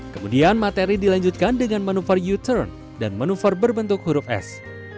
kemudian materi dilanjutkan dengan manuver u turn dan manuver berbentuk huruf s